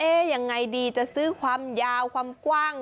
เอ๊ะอย่างไรดีจะซื้อความยาวความกว้าง